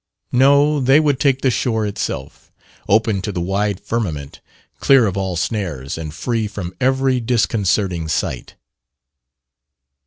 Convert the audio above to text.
No, they would take the shore itself open to the wide firmament, clear of all snares, and free from every disconcerting sight.